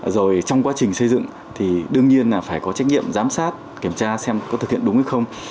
rồi trong quá trình xây dựng thì đương nhiên là phải có trách nhiệm giám sát kiểm tra xem có thực hiện đúng hay không